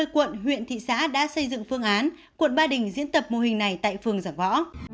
ba mươi quận huyện thị xã đã xây dựng phương án quận ba đình diễn tập mô hình này tại phường giả võ